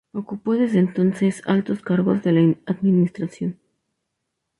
Ocupó desde entonces altos cargos de la administración.